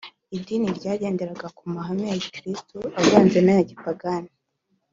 idini ryagenderaga ku mahame ya gikristo avanze n aya gipagani